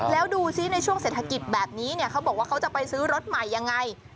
แล้วดูซิในช่วงเศรษฐกิจแบบนี้เนี่ยเขาบอกว่าเขาจะไปซื้อรถใหม่ยังไง